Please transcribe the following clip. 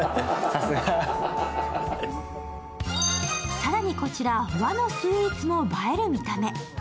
更にこちら、和のスイーツも映える見た目。